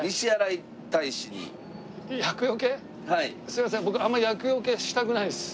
すいません僕あまり厄除けしたくないです。